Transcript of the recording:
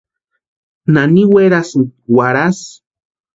¿Nani werasïnki warhasï?